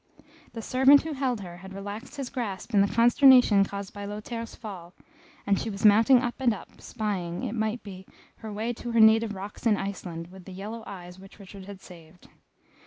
The servant who held her, had relaxed his grasp in the consternation caused by Lothaire's fall, and she was mounting up and up, spying, it might be, her way to her native rocks in Iceland, with the yellow eyes which Richard had saved.